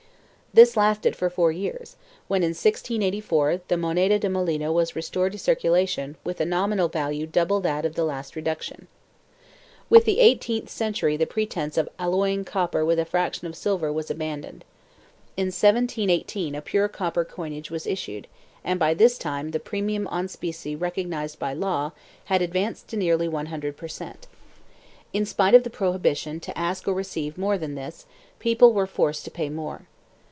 This lasted for four years, when in 1684 the moneda de molino was restored to circulation with a nominal value double that of the last reduction.1 With the eighteenth century the pretence of alloying copper with a fraction of silver was abandoned. In 1718 a pure copper coinage was issued and by this time the premium on specie recognized by law had advanced to nearly 100 per cent. In spite of the prohibitions to ask or receive more than this, people were forced to pay more.